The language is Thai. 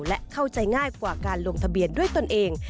และเข้าใจง่ายกว่าการลงทะเบียนด้วยตนเอง